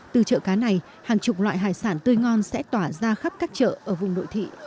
từ chợ cá này hàng chục loại hải sản tươi ngon sẽ tỏa ra khắp các chợ ở vùng nội thị